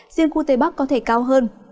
riêng khu tây bắc có thể cao hơn